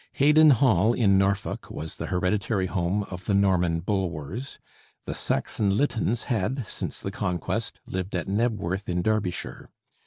Heydon Hall in Norfolk was the hereditary home of the Norman Bulwers; the Saxon Lyttons had since the Conquest lived at Knebworth in Derbyshire.